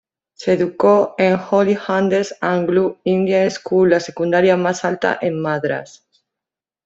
Se educó en Holy Angels Anglo Indian School la secundaria más alta en Madras.